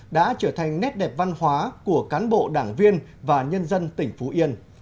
đã trở thành nét đẹp văn hóa của cán bộ đảng viên và nhân dân tỉnh phú yên